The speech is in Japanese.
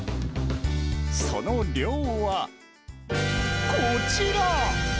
その量は、こちら。